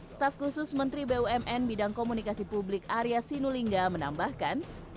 staf khusus menteri bumn bidang komunikasi publik area sinulinga menambahkan